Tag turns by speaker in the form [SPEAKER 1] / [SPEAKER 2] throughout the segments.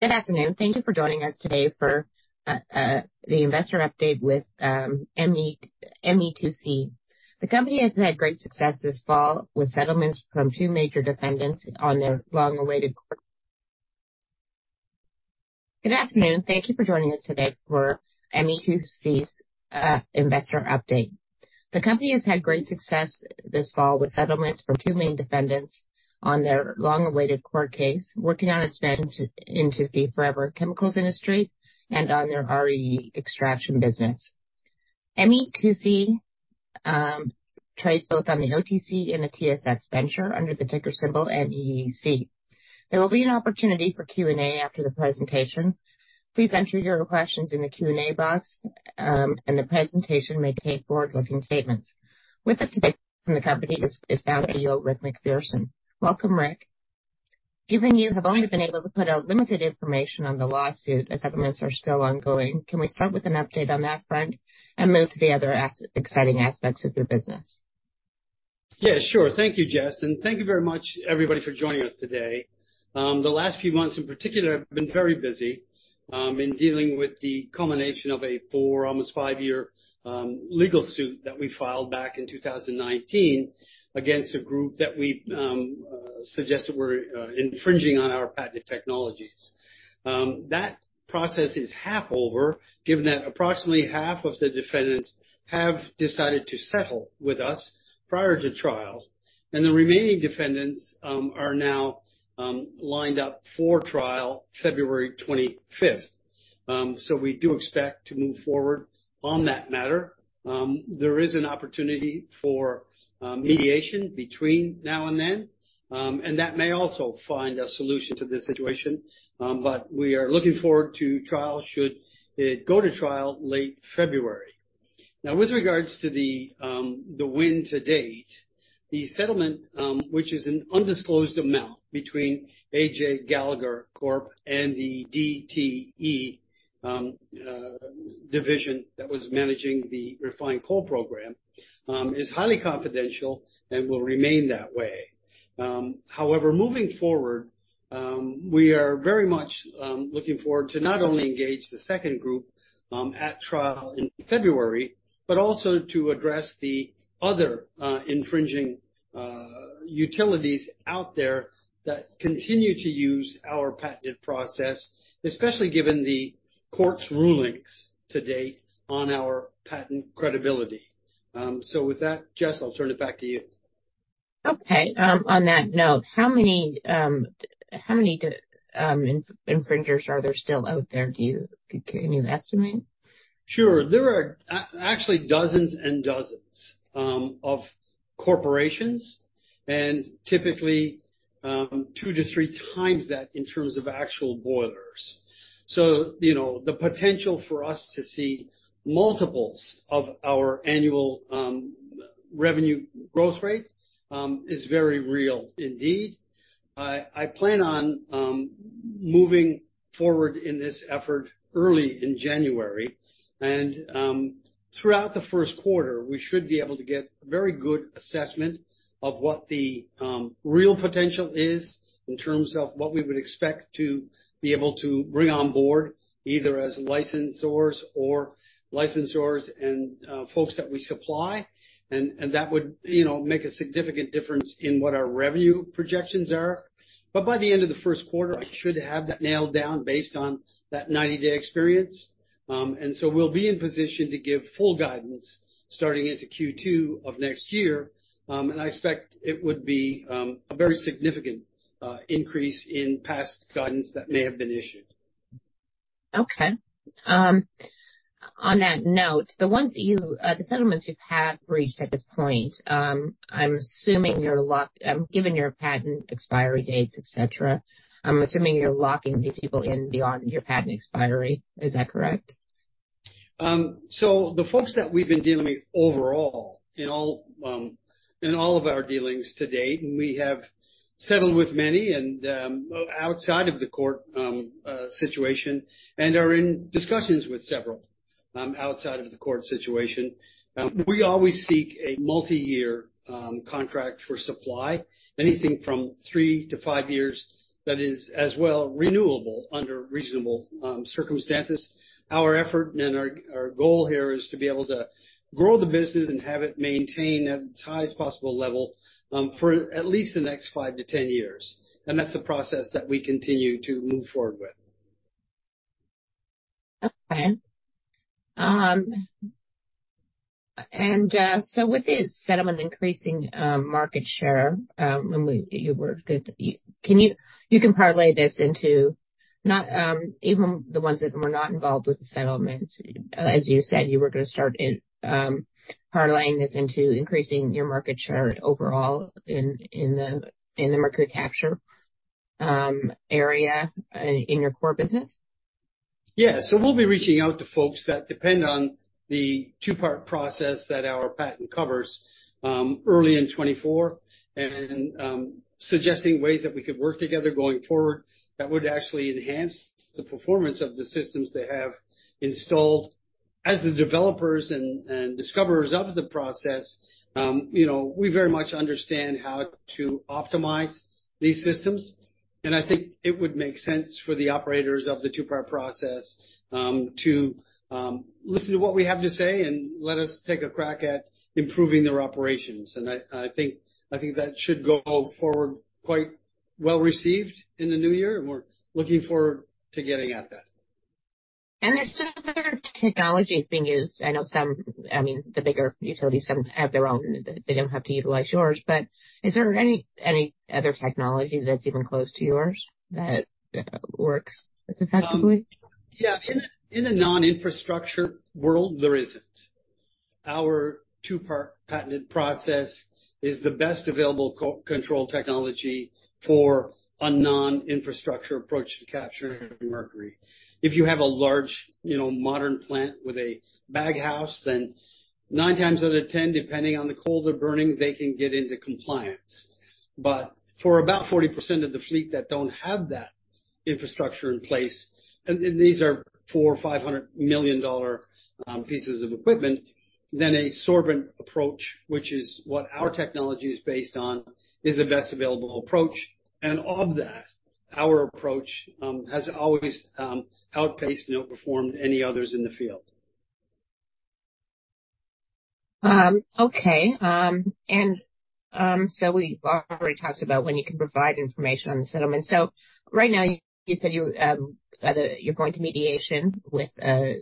[SPEAKER 1] Good afternoon. Thank you for joining us today for ME2C's investor update. The company has had great success this fall with settlements from two main defendants on their long-awaited court case, working on expansion into the forever chemicals industry and on their RE extraction business. ME2C trades both on the OTC and the TSX Venture under the ticker symbol MEEC. There will be an opportunity for Q&A after the presentation. Please enter your questions in the Q&A box, and the presentation may contain forward-looking statements. With us today from the company is founder and CEO Rick MacPherson. Welcome, Rick. Given you have only been able to put out limited information on the lawsuit as settlements are still ongoing, can we start with an update on that front and move to the other as exciting aspects of your business?
[SPEAKER 2] Yeah, sure. Thank you, Jess, and thank you very much, everybody, for joining us today. The last few months in particular have been very busy in dealing with the culmination of a four, almost five-year legal suit that we filed back in 2019 against a group that we suggested were infringing on our patented technologies. That process is half over, given that approximately half of the defendants have decided to settle with us prior to trial, and the remaining defendants are now lined up for trial February 25. So we do expect to move forward on that matter. There is an opportunity for mediation between now and then, and that may also find a solution to this situation, but we are looking forward to trial, should it go to trial late February. Now, with regards to the win to date, the settlement, which is an undisclosed amount between A.J. Gallagher Corp and the DTE division that was managing the refined coal program, is highly confidential and will remain that way. However, moving forward, we are very much looking forward to not only engage the second group at trial in February, but also to address the other infringing utilities out there that continue to use our patented process, especially given the court's rulings to date on our patent credibility. So with that, Jess, I'll turn it back to you.
[SPEAKER 1] Okay, on that note, how many infringers are there still out there? Can you estimate?
[SPEAKER 2] Sure. There are actually dozens and dozens of corporations, and typically two-three times that in terms of actual boilers. So, you know, the potential for us to see multiples of our annual revenue growth rate is very real indeed. I plan on moving forward in this effort early in January, and throughout the first quarter, we should be able to get a very good assessment of what the real potential is in terms of what we would expect to be able to bring on board, either as licensors or licensors and folks that we supply. And that would, you know, make a significant difference in what our revenue projections are. But by the end of the first quarter, I should have that nailed down based on that 90-day experience. We'll be in position to give full guidance starting into Q2 of next year, and I expect it would be a very significant increase in past guidance that may have been issued.
[SPEAKER 1] Okay. On that note, the ones that you, the settlements you've have reached at this point, I'm assuming you're locking these people in beyond your patent expiry. Is that correct?
[SPEAKER 2] So the folks that we've been dealing with overall, in all of our dealings to date, and we have settled with many and outside of the court situation, and are in discussions with several, outside of the court situation. We always seek a multi-year contract for supply, anything from three-five years, that is as well renewable under reasonable circumstances. Our effort and our goal here is to be able to grow the business and have it maintained at its highest possible level, for at least the next five-10 years. That's the process that we continue to move forward with.
[SPEAKER 1] Okay. So with this settlement increasing market share, you can parlay this into not even the ones that were not involved with the settlement. As you said, you were going to start parlaying this into increasing your market share overall in the mercury capture area, in your core business?
[SPEAKER 2] Yeah. So we'll be reaching out to folks that depend on the Two-Part Process that our patent covers, early in 2024, and suggesting ways that we could work together going forward that would actually enhance the performance of the systems they have installed. As the developers and discoverers of the process, you know, we very much understand how to optimize these systems, and I think it would make sense for the operators of the Two-Part Process to listen to what we have to say and let us take a crack at improving their operations. And I think that should go forward quite well-received in the new year, and we're looking forward to getting at that.
[SPEAKER 1] There's still other technologies being used. I know some, I mean, the bigger utilities, some have their own. They don't have to utilize yours, but is there any, any other technology that's even close to yours that works as effectively?
[SPEAKER 2] Yeah, in a non-infrastructure world, there isn't. Our two-part patented process is the best available co-control technology for a non-infrastructure approach to capturing mercury. If you have a large, you know, modern plant with a baghouse, then nine times out of ten, depending on the coal they're burning, they can get into compliance. But for about 40% of the fleet that don't have that infrastructure in place, and these are $400 million-$500 million pieces of equipment, then a sorbent approach, which is what our technology is based on, is the best available approach. And of that, our approach has always outpaced and outperformed any others in the field.
[SPEAKER 1] Okay. And, so we've already talked about when you can provide information on the settlement. So right now, you said you, that you're going to mediation with, the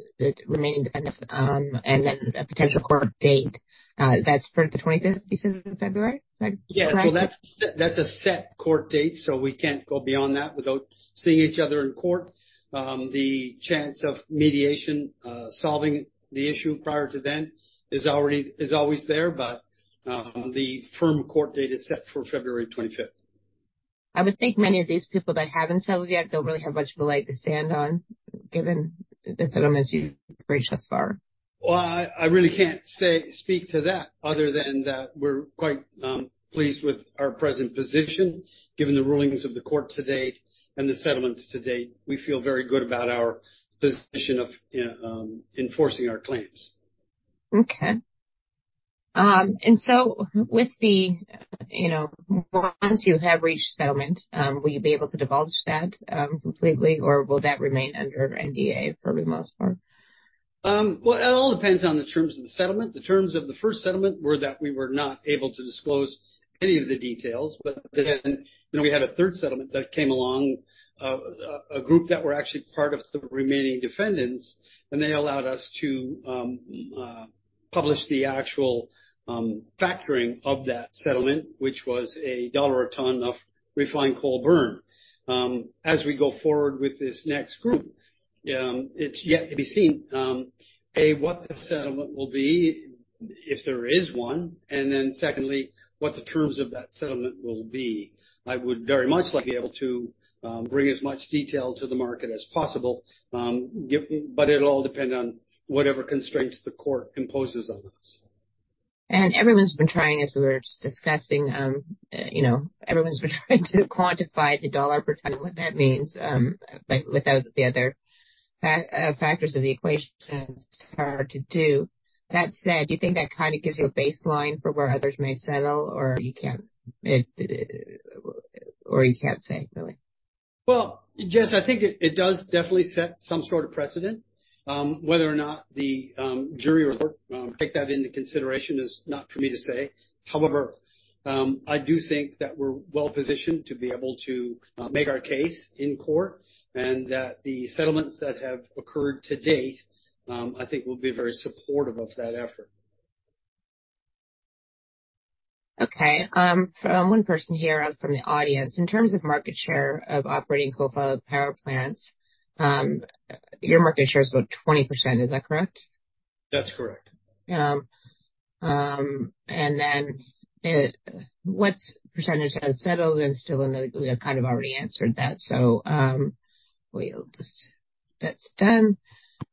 [SPEAKER 1] remaining defendants, and then a potential court date, that's for the 25th of February? Is that correct?
[SPEAKER 2] Yes. Well, that's, that's a set court date, so we can't go beyond that without seeing each other in court. The chance of mediation solving the issue prior to then is already, is always there, but, the firm court date is set for February 25th.
[SPEAKER 1] I would think many of these people that haven't settled yet, don't really have much of a leg to stand on, given the settlements you've reached thus far.
[SPEAKER 2] Well, I really can't speak to that other than that we're quite pleased with our present position. Given the rulings of the court to date and the settlements to date, we feel very good about our position of enforcing our claims.
[SPEAKER 1] Okay. So with the, you know, once you have reached settlement, will you be able to divulge that completely, or will that remain under NDA for the most part?
[SPEAKER 2] Well, it all depends on the terms of the settlement. The terms of the first settlement were that we were not able to disclose any of the details, but then, you know, we had a third settlement that came along, a group that were actually part of the remaining defendants, and they allowed us to publish the actual factoring of that settlement, which was $1 a ton of Refined Coal burn. As we go forward with this next group, it's yet to be seen, A, what the settlement will be, if there is one, and then secondly, what the terms of that settlement will be. I would very much like to be able to bring as much detail to the market as possible, give... But it'll all depend on whatever constraints the court imposes on us.
[SPEAKER 1] And everyone's been trying, as we were just discussing, you know, everyone's been trying to quantify the dollar per ton. What that means, but without the other factors of the equation, it's hard to do. That said, do you think that kind of gives you a baseline for where others may settle, or you can't, it, or you can't say, really?
[SPEAKER 2] Well, Jess, I think it does definitely set some sort of precedent. Whether or not the jury will take that into consideration is not for me to say. However, I do think that we're well positioned to be able to make our case in court, and that the settlements that have occurred to date, I think will be very supportive of that effort.
[SPEAKER 1] Okay. From one person here from the audience, in terms of market share of operating coal-fired power plants, your market share is about 20%. Is that correct?
[SPEAKER 2] That's correct.
[SPEAKER 1] And then, what percentage has settled and still in the... You kind of already answered that, so, we'll just, that's done.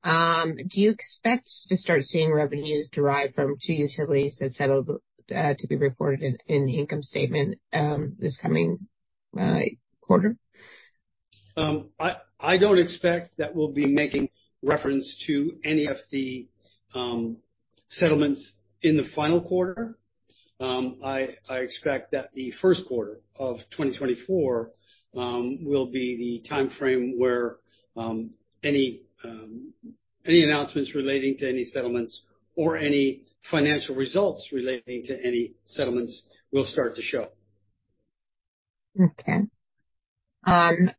[SPEAKER 1] Do you expect to start seeing revenues derived from two utilities that settled, to be reported in, in the income statement, this coming quarter?
[SPEAKER 2] I don't expect that we'll be making reference to any of the settlements in the final quarter. I expect that the first quarter of 2024 will be the timeframe where any announcements relating to any settlements or any financial results relating to any settlements will start to show.
[SPEAKER 1] Okay. And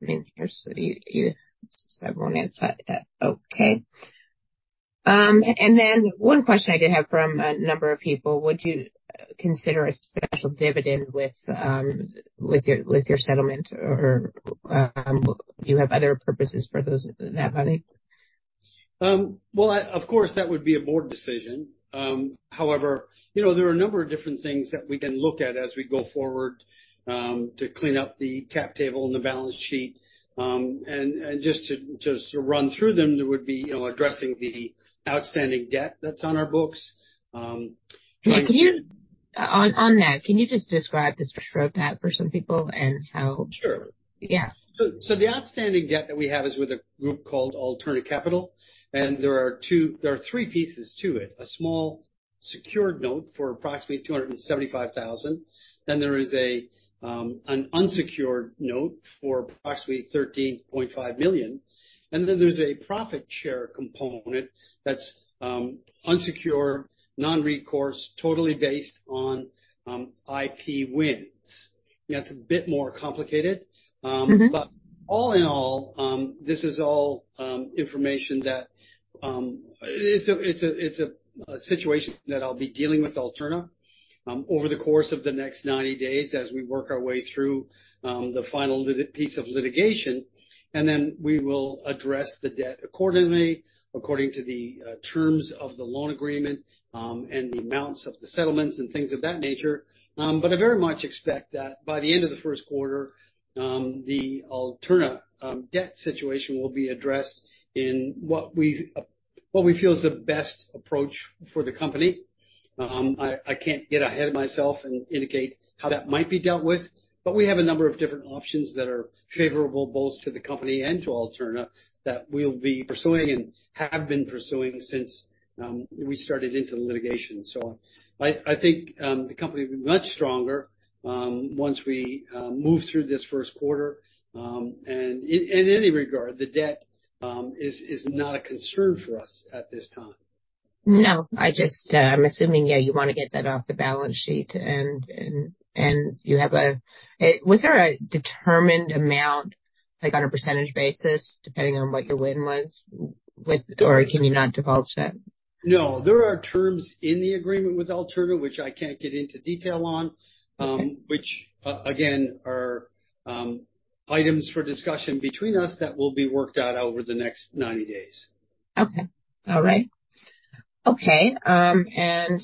[SPEAKER 1] I mean, here's the, so I won't answer that. Okay. And then one question I did have from a number of people, would you consider a special dividend with, with your, with your settlement, or, do you have other purposes for those, that money?
[SPEAKER 2] Well, of course, that would be a board decision. However, you know, there are a number of different things that we can look at as we go forward to clean up the cap table and the balance sheet. And just to run through them, there would be, you know, addressing the outstanding debt that's on our books.
[SPEAKER 1] Again? On that, can you just describe this road map for some people and how?
[SPEAKER 2] Sure.
[SPEAKER 1] Yeah.
[SPEAKER 2] So, so the outstanding debt that we have is with a group called Alterna Capital, and there are two—there are three pieces to it. A small secured note for approximately $275,000. Then there is a, an unsecured note for approximately $13.5 million, and then there's a profit share component that's, unsecured, non-recourse, totally based on, IP wins. That's a bit more complicated. But all in all, this is all information that it's a situation that I'll be dealing with Alterna over the course of the next 90 days as we work our way through the final piece of litigation, and then we will address the debt accordingly, according to the terms of the loan agreement and the amounts of the settlements and things of that nature. But I very much expect that by the end of the first quarter, the Alterna debt situation will be addressed in what we feel is the best approach for the company. I can't get ahead of myself and indicate how that might be dealt with, but we have a number of different options that are favorable, both to the company and to Alterna, that we'll be pursuing and have been pursuing since we started into the litigation. So I think the company will be much stronger once we move through this first quarter. And in any regard, the debt is not a concern for us at this time.
[SPEAKER 1] No, I just, I'm assuming, yeah, you wanna get that off the balance sheet and you have a. Was there a determined amount, like, on a percentage basis, depending on what your win was with, or can you not divulge that?
[SPEAKER 2] No, there are terms in the agreement with Alterna, which I can't get into detail on.
[SPEAKER 1] Okay.
[SPEAKER 2] Which, again, are items for discussion between us that will be worked out over the next 90 days.
[SPEAKER 1] Okay. All right. Okay, and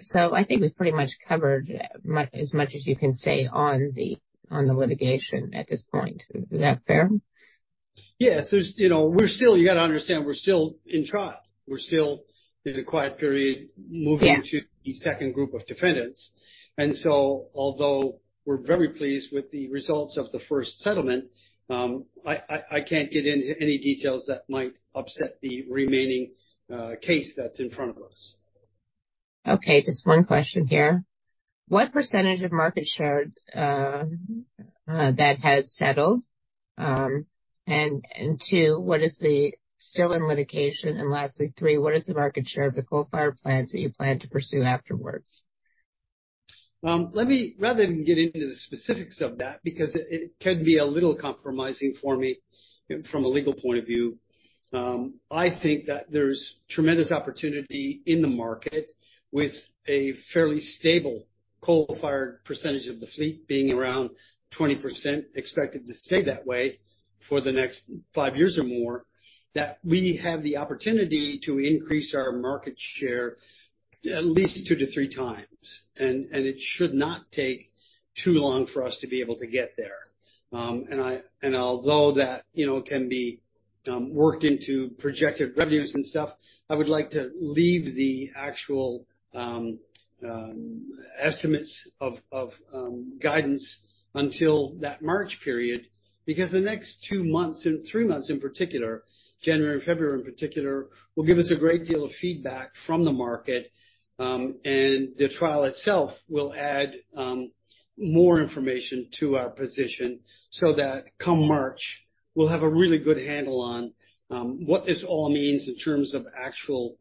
[SPEAKER 1] so I think we've pretty much covered as much as you can say on the, on the litigation at this point. Is that fair?
[SPEAKER 2] Yes. There's, you know, we're still... You gotta understand, we're still in trial. We're still in a quiet period.
[SPEAKER 1] Yeah.
[SPEAKER 2] Moving to the second group of defendants, and so although we're very pleased with the results of the first settlement, I can't get into any details that might upset the remaining case that's in front of us.
[SPEAKER 1] Okay, just one question here. What percentage of market share that has settled? And two, what is the still in litigation? And lastly, three, what is the market share of the coal-fired plants that you plan to pursue afterwards?
[SPEAKER 2] Let me, rather than get into the specifics of that, because it, it can be a little compromising for me from a legal point of view, I think that there's tremendous opportunity in the market with a fairly stable coal-fired percentage of the fleet, being around 20%, expected to stay that way for the next five years or more. That we have the opportunity to increase our market share at least two to three times, and, and it should not take too long for us to be able to get there. Although that, you know, can be worked into projected revenues and stuff, I would like to leave the actual estimates of guidance until that March period, because the next two months, and three months in particular, January and February in particular, will give us a great deal of feedback from the market. The trial itself will add more information to our position, so that come March, we'll have a really good handle on what this all means in terms of actual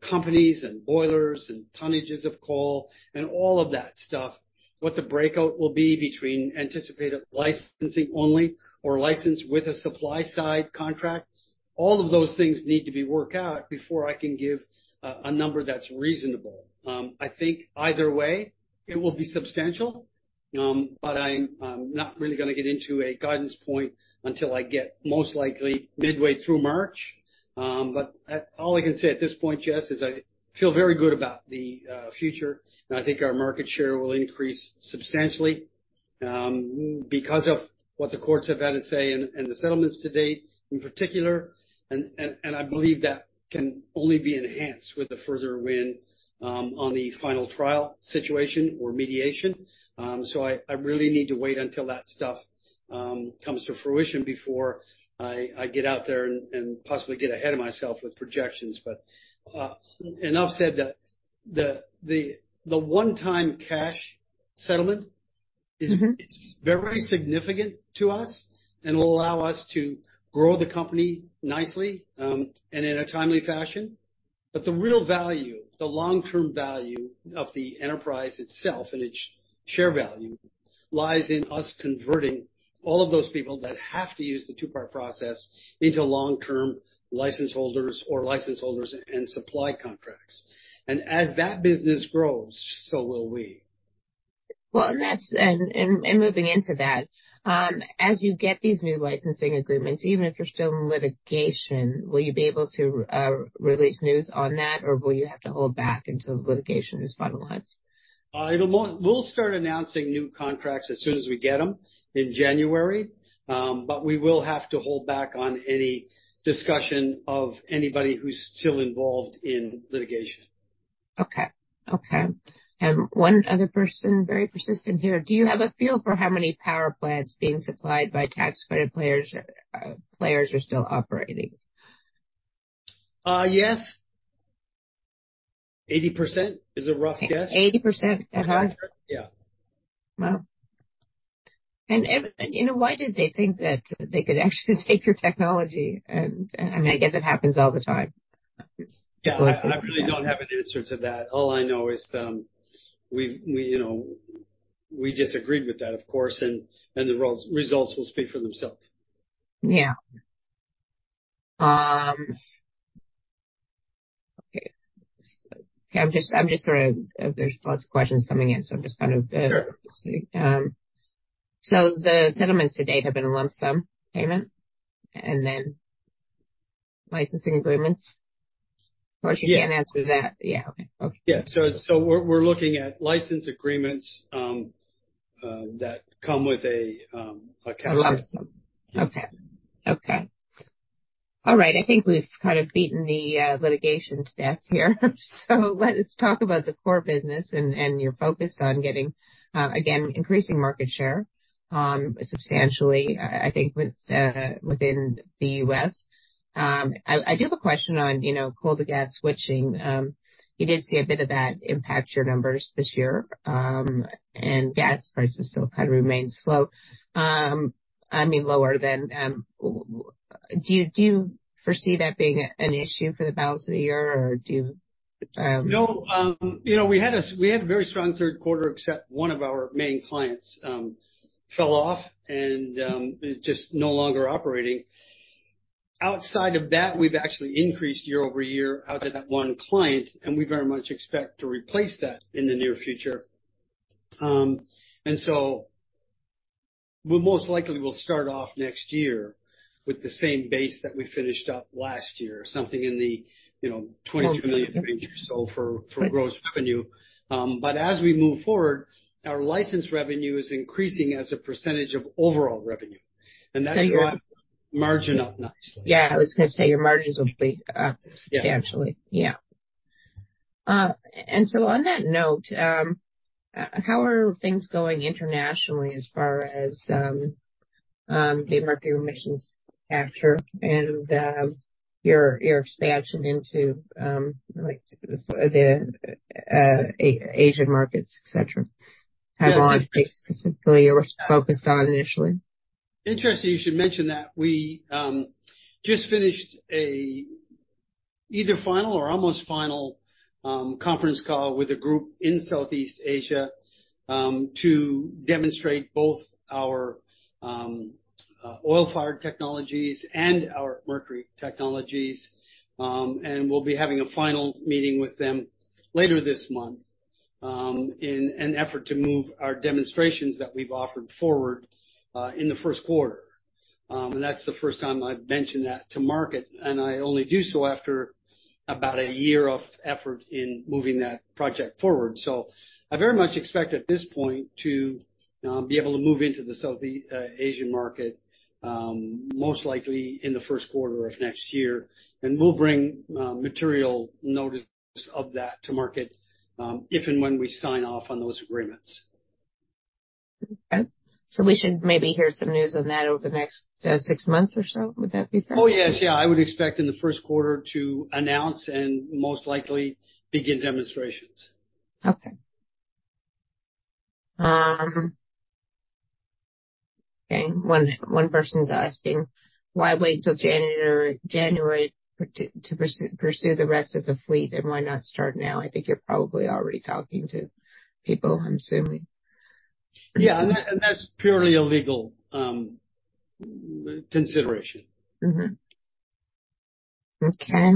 [SPEAKER 2] companies and boilers and tonnages of coal and all of that stuff. What the breakout will be between anticipated licensing only or licensed with a supply side contract. All of those things need to be worked out before I can give a number that's reasonable. I think either way, it will be substantial, but I'm not really gonna get into a guidance point until I get most likely midway through March. All I can say at this point, Jess, is I feel very good about the future, and I think our market share will increase substantially because of what the courts have had to say and the settlements to date in particular. I believe that can only be enhanced with a further win on the final trial situation or mediation. I really need to wait until that stuff comes to fruition before I get out there and possibly get ahead of myself with projections. Enough said that the one-time cash settlement is-... very significant to us and will allow us to grow the company nicely, and in a timely fashion. But the real value, the long-term value of the enterprise itself and its share value, lies in us converting all of those people that have to use the two-part process into long-term license holders or license holders and supply contracts. And as that business grows, so will we.
[SPEAKER 1] Well, and that's moving into that, as you get these new licensing agreements, even if you're still in litigation, will you be able to release news on that, or will you have to hold back until the litigation is finalized?
[SPEAKER 2] We'll start announcing new contracts as soon as we get them in January, but we will have to hold back on any discussion of anybody who's still involved in litigation....
[SPEAKER 1] Okay. Okay, and one other person, very persistent here. Do you have a feel for how many power plants being supplied by tax credit players, players are still operating?
[SPEAKER 2] Yes. 80% is a rough guess.
[SPEAKER 1] 80%? Uh-huh.
[SPEAKER 2] Yeah.
[SPEAKER 1] Wow! And you know, why did they think that they could actually take your technology? And, I mean, I guess it happens all the time.
[SPEAKER 2] Yeah, I really don't have an answer to that. All I know is, we've you know, we disagreed with that, of course, and the results will speak for themselves.
[SPEAKER 1] Yeah. Okay. Okay, I'm just, I'm just sort of... There's lots of questions coming in, so I'm just kind of-
[SPEAKER 2] Sure.
[SPEAKER 1] The settlements to date have been a lump sum payment and then licensing agreements?
[SPEAKER 2] Yeah.
[SPEAKER 1] Of course, you can't answer that. Yeah. Okay.
[SPEAKER 2] Yeah. So we're looking at license agreements that come with a cash sum.
[SPEAKER 1] A lump sum. Okay. Okay. All right. I think we've kind of beaten the litigation to death here. So let's talk about the core business and you're focused on getting again increasing market share substantially, I think, within the U.S.. I do have a question on, you know, coal to gas switching. You did see a bit of that impact your numbers this year, and gas prices still kind of remain slow, I mean, lower than... Do you foresee that being an issue for the balance of the year, or do you?
[SPEAKER 2] No. You know, we had a very strong third quarter, except one of our main clients fell off and just no longer operating. Outside of that, we've actually increased year-over-year out of that one client, and we very much expect to replace that in the near future. And so we most likely will start off next year with the same base that we finished up last year, something in the, you know, $22 million range or so for gross revenue. But as we move forward, our licensed revenue is increasing as a percentage of overall revenue, and that will drive margin up nicely.
[SPEAKER 1] Yeah. I was gonna say, your margins will be substantially.
[SPEAKER 2] Yeah.
[SPEAKER 1] Yeah. And so on that note, how are things going internationally as far as the mercury emissions capture and your expansion into, like, the Asian markets, et cetera?
[SPEAKER 2] Yeah.
[SPEAKER 1] Have specifically you were focused on initially.
[SPEAKER 2] Interesting you should mention that. We just finished a either final or almost final conference call with a group in Southeast Asia to demonstrate both our oil-fired technologies and our mercury technologies. And we'll be having a final meeting with them later this month in an effort to move our demonstrations that we've offered forward in the first quarter. And that's the first time I've mentioned that to market, and I only do so after about a year of effort in moving that project forward. So I very much expect at this point to be able to move into the Southeast Asian market most likely in the first quarter of next year. And we'll bring material notice of that to market if and when we sign off on those agreements.
[SPEAKER 1] Okay. So we should maybe hear some news on that over the next six months or so. Would that be fair?
[SPEAKER 2] Oh, yes, yeah. I would expect in the first quarter to announce and most likely begin demonstrations.
[SPEAKER 1] Okay. Okay, one person's asking, why wait till January to pursue the rest of the fleet? And why not start now? I think you're probably already talking to people, I'm assuming.
[SPEAKER 2] Yeah, and that, and that's purely a legal consideration.
[SPEAKER 1] Mm-hmm. Okay.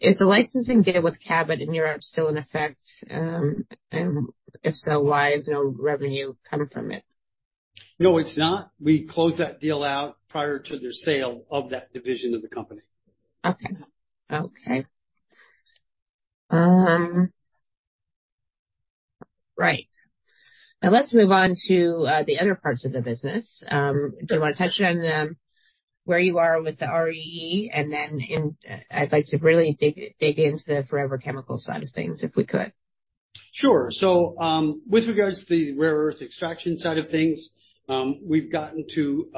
[SPEAKER 1] Is the licensing deal with Cabot in Europe still in effect? And if so, why is no revenue coming from it?
[SPEAKER 2] No, it's not. We closed that deal out prior to the sale of that division of the company.
[SPEAKER 1] Okay. Okay. Right. Now, let's move on to the other parts of the business. Do you want to touch on where you are with the REE? And then I'd like to really dig into the forever chemical side of things, if we could.
[SPEAKER 2] Sure. So, with regards to the rare earth extraction side of things, we've gotten to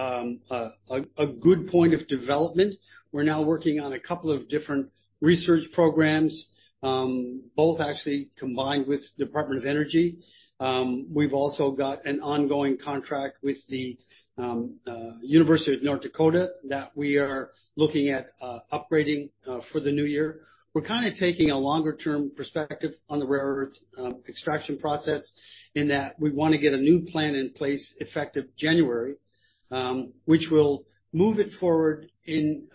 [SPEAKER 2] a good point of development. We're now working on a couple of different research programs, both actually combined with Department of Energy. We've also got an ongoing contract with the University of North Dakota that we are looking at upgrading for the new year. We're kind of taking a longer-term perspective on the rare earth extraction process, in that we want to get a new plan in place effective January, which will move it forward in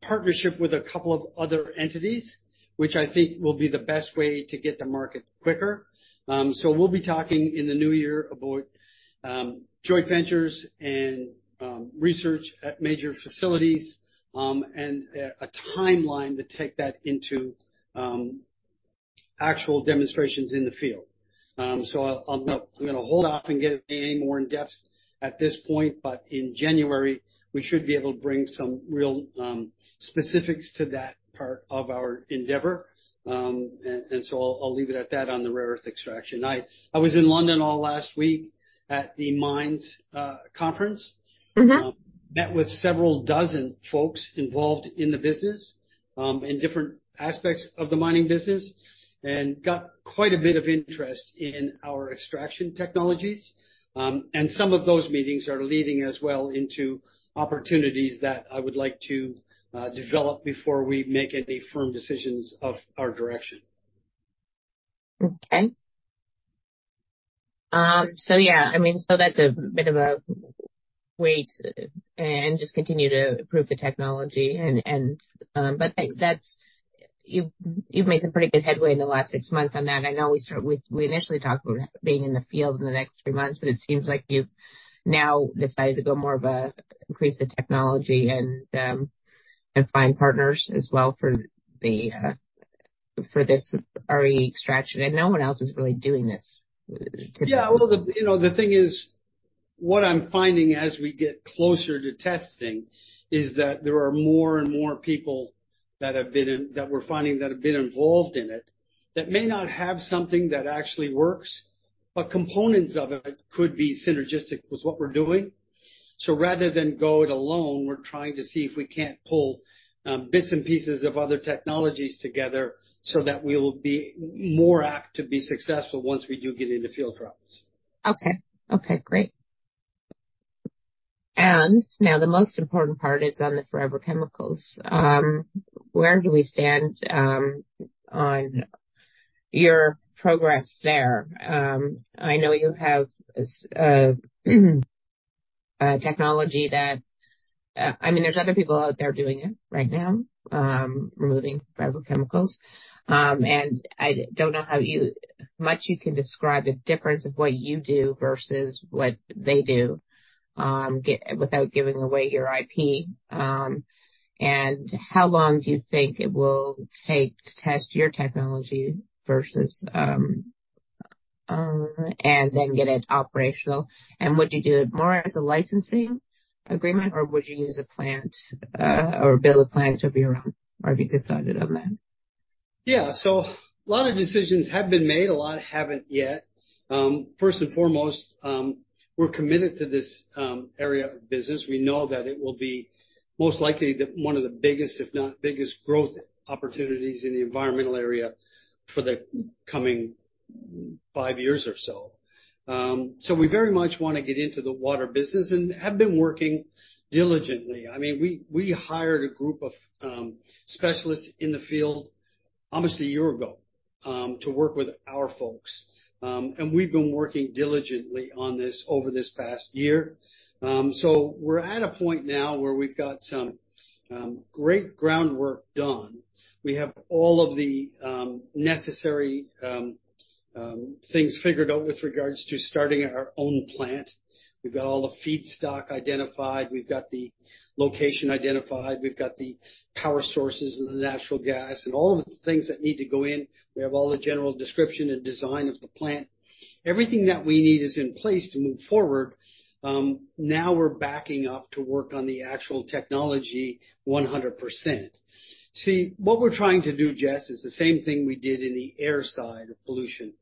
[SPEAKER 2] partnership with a couple of other entities, which I think will be the best way to get to market quicker. So we'll be talking in the new year about joint ventures and research at major facilities and a timeline to take that into actual demonstrations in the field. So I'm gonna hold off and get any more in-depth at this point, but in January, we should be able to bring some real specifics to that part of our endeavor. And so I'll leave it at that on the rare earth extraction. I was in London all last week at the Mines conference. Met with several dozen folks involved in the business, in different aspects of the mining business, and got quite a bit of interest in our extraction technologies. Some of those meetings are leading as well into opportunities that I would like to develop before we make any firm decisions of our direction.
[SPEAKER 1] Okay. So yeah, I mean, so that's a bit of a wait and just continue to improve the technology and, but that's—you've made some pretty good headway in the last six months on that. I know we start with—we initially talked about being in the field in the next three months, but it seems like you've now decided to go more of a increase the technology and find partners as well for the, for this RE extraction, and no one else is really doing this.
[SPEAKER 2] Yeah, well, the, you know, the thing is, what I'm finding as we get closer to testing is that there are more and more people that we're finding that have been involved in it, that may not have something that actually works, but components of it could be synergistic with what we're doing. So rather than go it alone, we're trying to see if we can't pull bits and pieces of other technologies together so that we will be more apt to be successful once we do get into field trials.
[SPEAKER 1] Okay. Okay, great. And now the most important part is on the forever chemicals. Where do we stand on your progress there? I know you have a technology that, I mean, there's other people out there doing it right now, removing forever chemicals. And I don't know how much you can describe the difference of what you do versus what they do, without giving away your IP. And how long do you think it will take to test your technology versus, and then get it operational? And would you do it more as a licensing agreement, or would you use a plant, or build a plant of your own? Or have you decided on that?
[SPEAKER 2] Yeah. So a lot of decisions have been made, a lot haven't yet. First and foremost, we're committed to this area of business. We know that it will be most likely the one of the biggest, if not biggest, growth opportunities in the environmental area for the coming five years or so. So we very much want to get into the water business and have been working diligently. I mean, we hired a group of specialists in the field almost a year ago to work with our folks. And we've been working diligently on this over this past year. So we're at a point now where we've got some great groundwork done. We have all of the necessary things figured out with regards to starting our own plant. We've got all the feedstock identified, we've got the location identified, we've got the power sources and the natural gas, and all of the things that need to go in. We have all the general description and design of the plant. Everything that we need is in place to move forward. Now we're backing up to work on the actual technology 100%. See, what we're trying to do, Jess, is the same thing we did in the air side of pollution.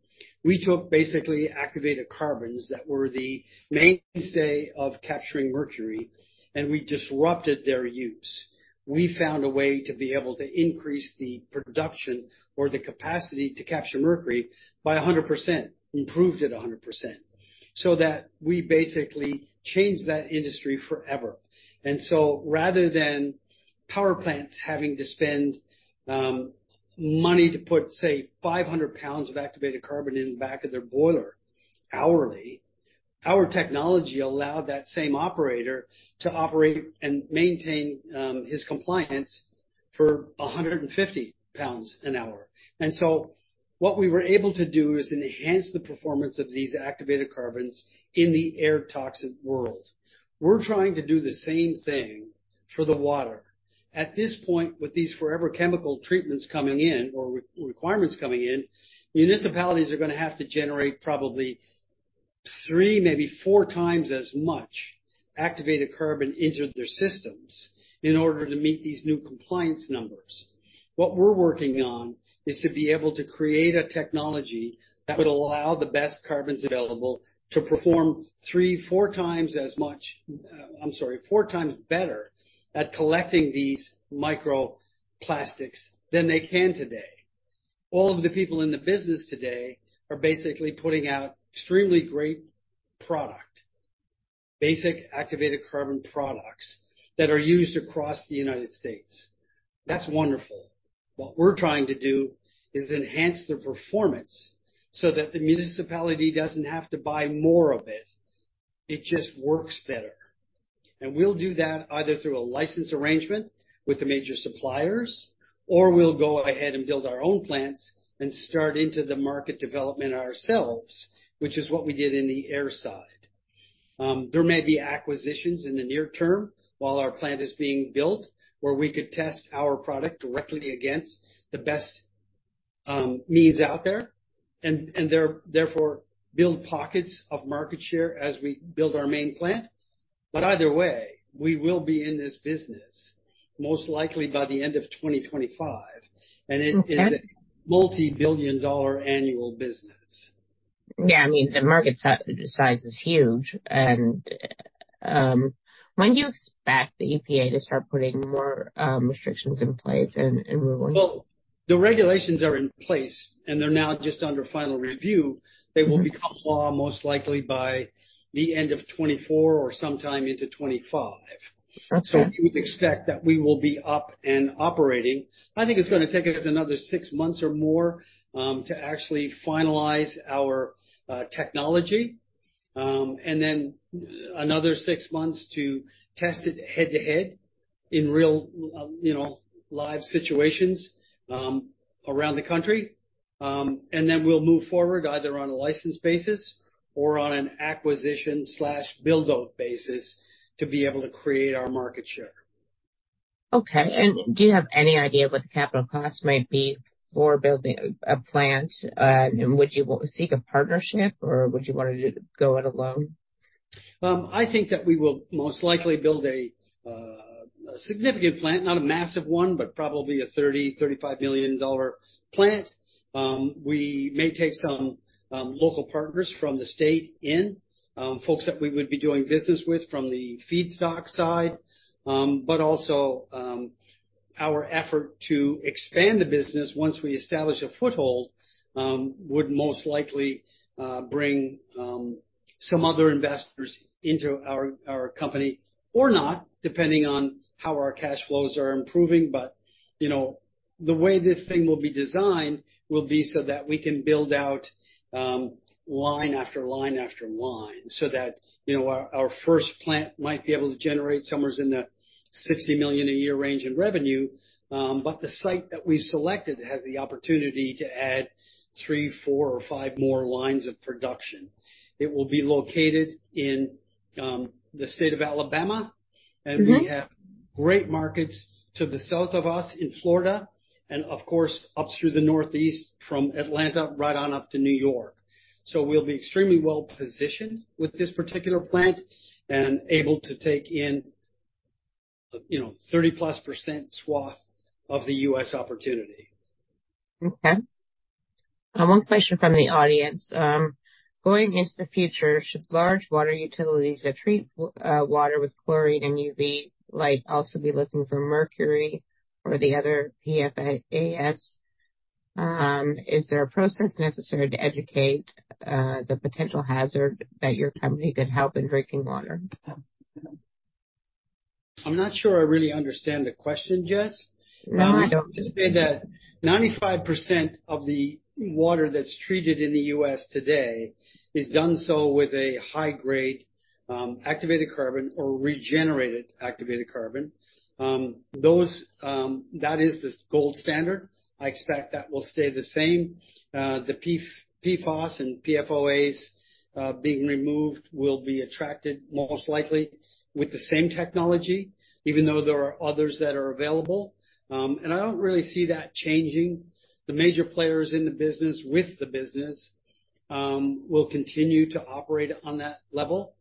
[SPEAKER 2] We took basically activated carbons that were the mainstay of capturing mercury, and we disrupted their use. We found a way to be able to increase the production or the capacity to capture mercury by 100%, improved it 100%, so that we basically changed that industry forever. Rather than power plants having to spend money to put, say, 500 lbs of activated carbon in the back of their boiler hourly, our technology allowed that same operator to operate and maintain his compliance for 150 lbs an hour. And so what we were able to do is enhance the performance of these activated carbons in the air toxin world. We're trying to do the same thing for the water. At this point, with these forever chemical treatments coming in or requirements coming in, municipalities are gonna have to generate probably three, maybe four times as much activated carbon into their systems in order to meet these new compliance numbers. What we're working on is to be able to create a technology that would allow the best carbons available to perform three, four times as much, I'm sorry, four times better at collecting these microplastics than they can today. All of the people in the business today are basically putting out extremely great product, basic activated carbon products, that are used across the United States. That's wonderful. What we're trying to do is enhance the performance so that the municipality doesn't have to buy more of it. It just works better. And we'll do that either through a license arrangement with the major suppliers, or we'll go ahead and build our own plants and start into the market development ourselves, which is what we did in the air side.... There may be acquisitions in the near term while our plant is being built, where we could test our product directly against the best means out there, and therefore build pockets of market share as we build our main plant. But either way, we will be in this business, most likely by the end of 2025.
[SPEAKER 1] Okay.
[SPEAKER 2] It is a multi-billion-dollar annual business.
[SPEAKER 1] Yeah, I mean, the market size is huge. When do you expect the EPA to start putting more restrictions in place and rullings?
[SPEAKER 2] Well, the regulations are in place, and they're now just under final review. They will become law, most likely by the end of 2024 or sometime into 2025.
[SPEAKER 1] Okay.
[SPEAKER 2] We would expect that we will be up and operating. I think it's gonna take us another six months or more to actually finalize our technology and then another six months to test it head-to-head in real, you know, live situations around the country. And then we'll move forward either on a license basis or on an acquisition/build-out basis to be able to create our market share.
[SPEAKER 1] Okay. Do you have any idea what the capital cost might be for building a plant? Would you seek a partnership, or would you want to go it alone?
[SPEAKER 2] I think that we will most likely build a significant plant, not a massive one, but probably a $30-$35 million plant. We may take some local partners from the state in, folks that we would be doing business with from the feedstock side. But also, our effort to expand the business once we establish a foothold would most likely bring some other investors into our company, or not, depending on how our cash flows are improving. But, you know, the way this thing will be designed will be so that we can build out line after line after line, so that, you know, our first plant might be able to generate somewhere in the $60 million a year range in revenue. But the site that we've selected has the opportunity to add three, four or five more lines of production. It will be located in the state of Alabama. We have great markets to the south of us in Florida, and of course, up through the Northeast from Atlanta, right on up to New York. We'll be extremely well-positioned with this particular plant and able to take in, you know, 30%+ swath of the U.S. opportunity.
[SPEAKER 1] Okay. One question from the audience. Going into the future, should large water utilities that treat water with chlorine and UV light also be looking for mercury or the other PFAS? Is there a process necessary to educate the potential hazard that your company could help in drinking water?
[SPEAKER 2] I'm not sure I really understand the question, Jess.
[SPEAKER 1] No, I don't.
[SPEAKER 2] To say that 95% of the water that's treated in the U.S. today is done so with a high-grade activated carbon or regenerated activated carbon. That is the gold standard. I expect that will stay the same. The PFOS and PFOAs being removed will be attracted, most likely with the same technology, even though there are others that are available. And I don't really see that changing. The major players in the business with the business will continue to operate on that level.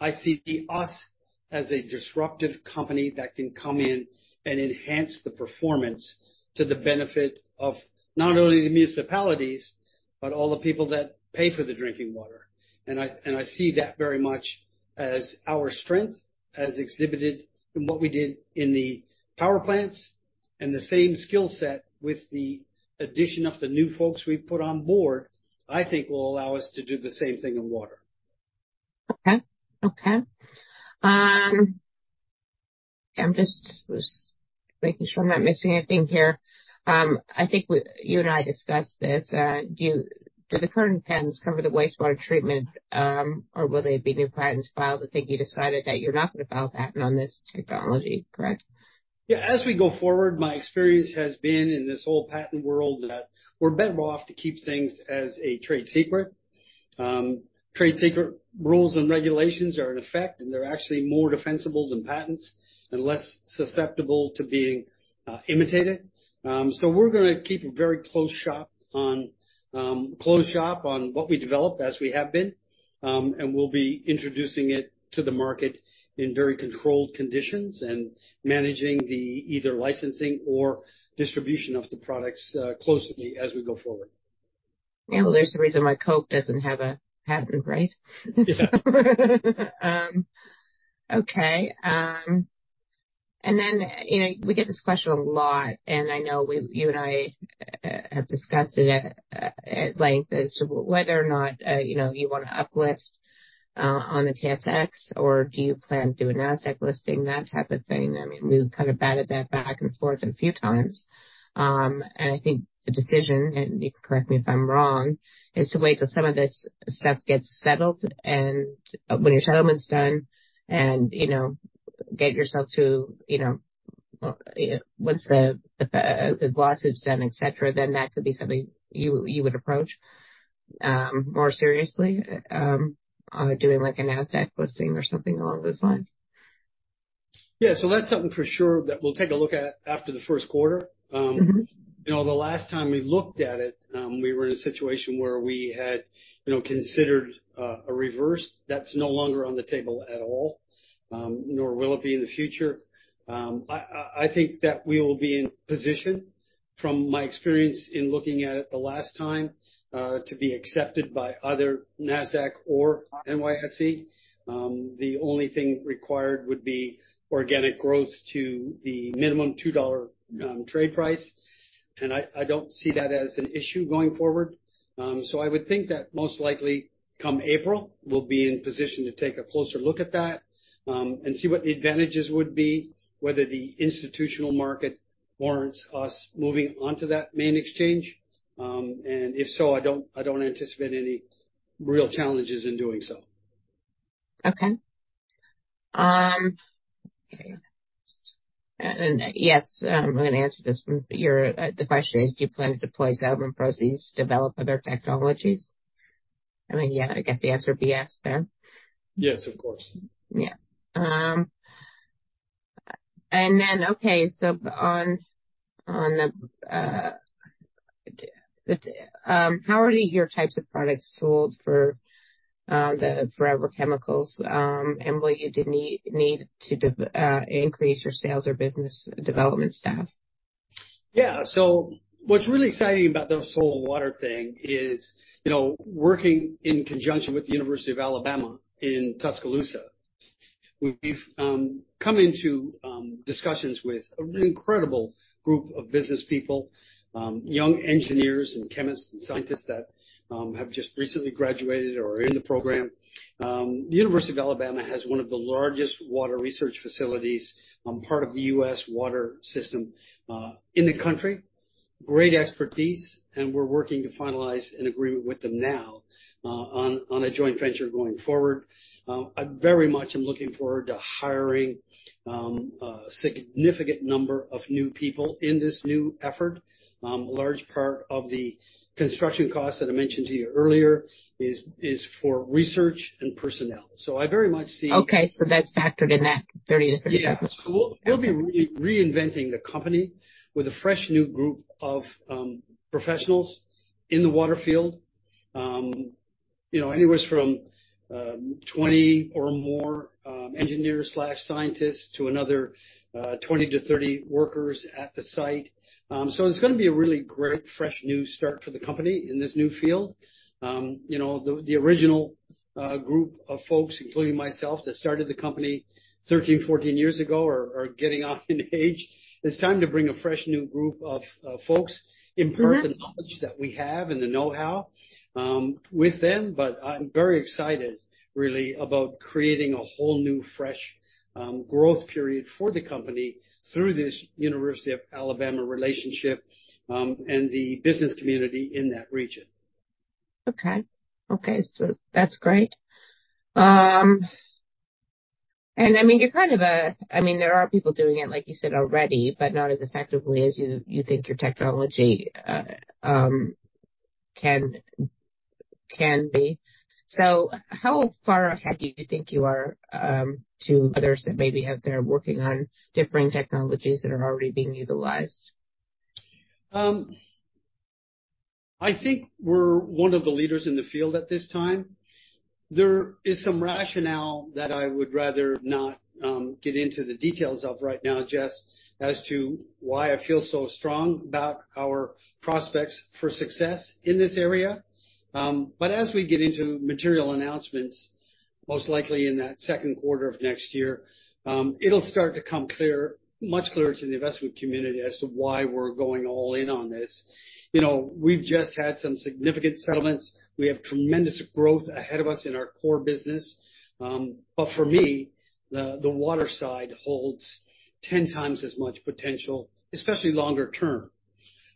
[SPEAKER 2] I see us as a disruptive company that can come in and enhance the performance to the benefit of not only the municipalities, but all the people that pay for the drinking water. I see that very much as our strength, as exhibited in what we did in the power plants and the same skill set with the addition of the new folks we've put on board. I think will allow us to do the same thing in water.
[SPEAKER 1] Okay. Okay. I'm just making sure I'm not missing anything here. I think we, you and I discussed this. Do the current patents cover the wastewater treatment, or will there be new patents filed? I think you decided that you're not going to file a patent on this technology, correct?
[SPEAKER 2] Yeah. As we go forward, my experience has been in this whole patent world, that we're better off to keep things as a trade secret. Trade secret rules and regulations are in effect, and they're actually more defensible than patents and less susceptible to being imitated. So we're gonna keep a very close shop on what we develop as we have been. And we'll be introducing it to the market in very controlled conditions and managing the either licensing or distribution of the products closely as we go forward.
[SPEAKER 1] Yeah, well, there's a reason why Coke doesn't have a patent, right?
[SPEAKER 2] Yeah.
[SPEAKER 1] Okay. And then, you know, we get this question a lot, and I know we, you and I, have discussed it at length as to whether or not, you know, you want to uplist on the TSX or do you plan to do a Nasdaq listing, that type of thing. I mean, we've kind of batted that back and forth a few times. And I think the decision, and you can correct me if I'm wrong, is to wait till some of this stuff gets settled, and when your settlement's done and, you know, get yourself to, you know... Well, once the lawsuit is done, et cetera, then that could be something you would approach more seriously on doing like a Nasdaq listing or something along those lines?
[SPEAKER 2] Yeah, so that's something for sure that we'll take a look at after the first quarter. You know, the last time we looked at it, we were in a situation where we had, you know, considered a reverse. That's no longer on the table at all, nor will it be in the future. I think that we will be in position, from my experience in looking at it the last time, to be accepted by other Nasdaq or NYSE. The only thing required would be organic growth to the minimum $2 trade price. And I don't see that as an issue going forward. So I would think that most likely come April, we'll be in position to take a closer look at that, and see what the advantages would be, whether the institutional market warrants us moving onto that main exchange. And if so, I don't anticipate any real challenges in doing so.
[SPEAKER 1] Okay. Yes, the question is: Do you plan to deploy settlement proceeds to develop other technologies? I mean, yeah, I guess the answer would be yes, then.
[SPEAKER 2] Yes, of course.
[SPEAKER 1] Yeah. And then, okay, so, how are your types of products sold for the forever chemicals, and will you need to increase your sales or business development staff?
[SPEAKER 2] Yeah. So what's really exciting about this whole water thing is, you know, working in conjunction with the University of Alabama in Tuscaloosa, we've come into discussions with an incredible group of business people, young engineers and chemists and scientists that have just recently graduated or are in the program. The University of Alabama has one of the largest water research facilities, part of the U.S. water system, in the country. Great expertise, and we're working to finalize an agreement with them now, on a joint venture going forward. I very much am looking forward to hiring a significant number of new people in this new effort. A large part of the construction costs that I mentioned to you earlier is for research and personnel. So I very much see-
[SPEAKER 1] Okay. So that's factored in that 30-35.
[SPEAKER 2] Yeah. We'll be reinventing the company with a fresh, new group of professionals in the water field. You know, anywhere from 20 or more engineers/scientists to another 20-30 workers at the site. So it's gonna be a really great, fresh, new start for the company in this new field. You know, the original group of folks, including myself, that started the company 13-14 years ago, are getting on in age. It's time to bring a fresh, new group of folks- Improve the knowledge that we have and the know-how with them, but I'm very excited, really, about creating a whole new, fresh, growth period for the company through this University of Alabama relationship, and the business community in that region.
[SPEAKER 1] Okay. Okay, so that's great. And I mean, you're kind of a... I mean, there are people doing it, like you said, already, but not as effectively as you, you think your technology can, can be. So how far ahead do you think you are to others that maybe out there working on differing technologies that are already being utilized?
[SPEAKER 2] I think we're one of the leaders in the field at this time. There is some rationale that I would rather not, get into the details of right now, Jess, as to why I feel so strong about our prospects for success in this area. But as we get into material announcements, most likely in that second quarter of next year, it'll start to come clear, much clearer to the investment community as to why we're going all in on this. You know, we've just had some significant settlements. We have tremendous growth ahead of us in our core business. But for me, the, the water side holds ten times as much potential, especially longer term.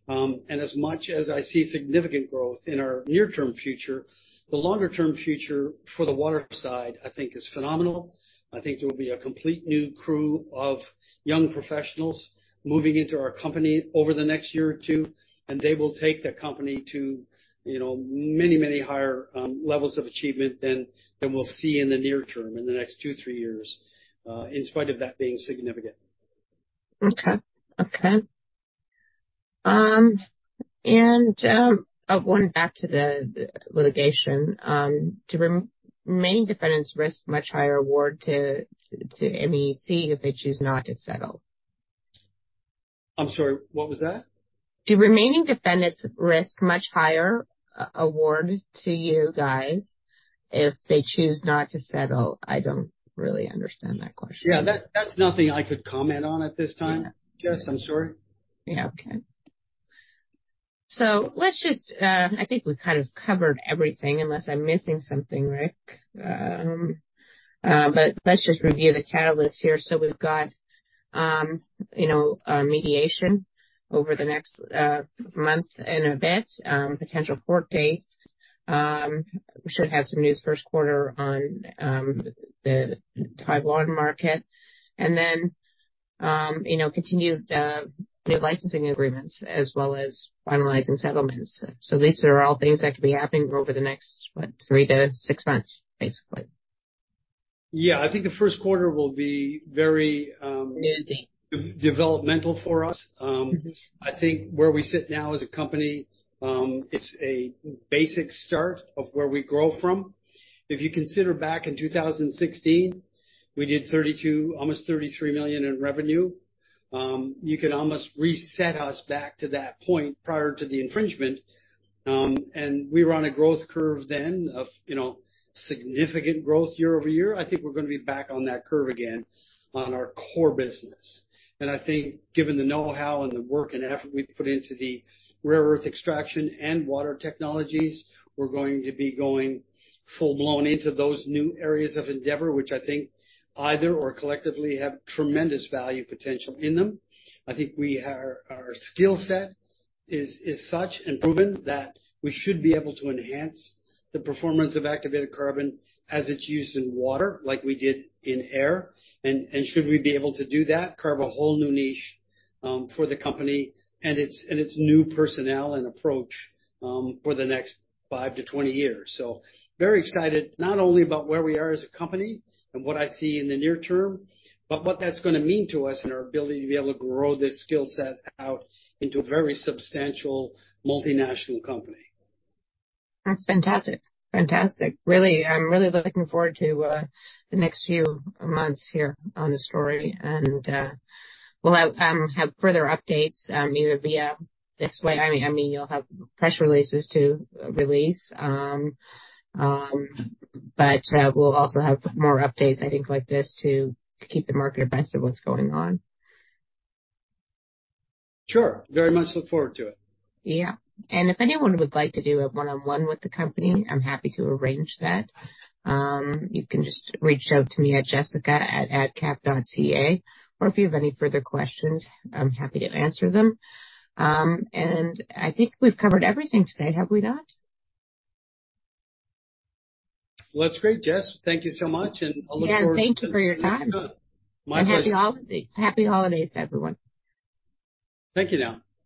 [SPEAKER 2] And as much as I see significant growth in our near-term future, the longer term future for the water side, I think is phenomenal. I think there will be a complete new crew of young professionals moving into our company over the next year or two, and they will take the company to, you know, many, many higher levels of achievement than, than we'll see in the near term, in the next two, three years, in spite of that being significant.
[SPEAKER 1] Okay. And, oh, going back to the litigation, do remaining defendants risk much higher award to ME2C if they choose not to settle?
[SPEAKER 2] I'm sorry, what was that?
[SPEAKER 1] Do remaining defendants risk much higher award to you guys if they choose not to settle? I don't really understand that question.
[SPEAKER 2] Yeah, that, that's nothing I could comment on at this time.
[SPEAKER 1] Yeah.
[SPEAKER 2] -Jess, I'm sorry.
[SPEAKER 1] Yeah. Okay. So let's just, I think we've kind of covered everything, unless I'm missing something, Rick. But let's just review the catalysts here. So we've got, you know, a mediation over the next, month and a bit, potential court date. We should have some news first quarter on, the Thai water market, and then, you know, continue new licensing agreements as well as finalizing settlements. So these are all things that could be happening over the next, what, three-six months, basically?
[SPEAKER 2] Yeah, I think the first quarter will be very.
[SPEAKER 1] Busy.
[SPEAKER 2] Developmental for us. I think where we sit now as a company, it's a basic start of where we grow from. If you consider back in 2016, we did $32 million, almost $33 million in revenue. You could almost reset us back to that point prior to the infringement. And we were on a growth curve then of, you know, significant growth year-over-year. I think we're gonna be back on that curve again on our core business. And I think given the know-how and the work and effort we put into the rare earth extraction and water technologies, we're going to be going full-blown into those new areas of endeavor, which I think either or collectively have tremendous value potential in them. I think our skill set is such and proven that we should be able to enhance the performance of activated carbon as it's used in water, like we did in air, and should we be able to do that, carve a whole new niche for the company and its new personnel and approach for the next five-20 years. So very excited, not only about where we are as a company and what I see in the near term, but what that's gonna mean to us and our ability to be able to grow this skill set out into a very substantial multinational company.
[SPEAKER 1] That's fantastic. Fantastic. Really, I'm really looking forward to the next few months here on the story, and we'll have further updates, either via this way. I mean, you'll have press releases to release, but we'll also have more updates, I think, like this, to keep the market abreast of what's going on.
[SPEAKER 2] Sure. Very much look forward to it.
[SPEAKER 1] Yeah. And if anyone would like to do a one-on-one with the company, I'm happy to arrange that. You can just reach out to me at jessica@adcap.ca, or if you have any further questions, I'm happy to answer them. And I think we've covered everything today, have we not?
[SPEAKER 2] Well, that's great, Jess. Thank you so much, and I look forward to-
[SPEAKER 1] Yeah, thank you for your time.
[SPEAKER 2] My pleasure.
[SPEAKER 1] Happy holidays. Happy holidays, everyone.
[SPEAKER 2] Thank you, now.